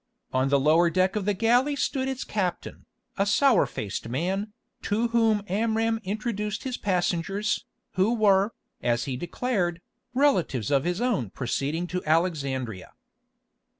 On the lower deck of the galley stood its captain, a sour faced man, to whom Amram introduced his passengers, who were, as he declared, relatives of his own proceeding to Alexandria.